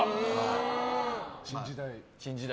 新時代。